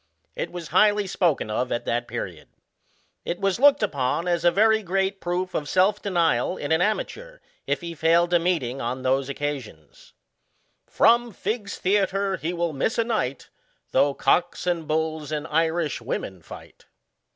It was highly spoken of at that period. It was looked upon as a very great proof of self denial in an amateur, if he failed a meetings on those occasions :" From Figg's theatre lie will miss a night Though cocks, and hulls, and Irish women fight."